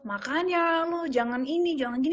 makan ya lo jangan ini jangan gini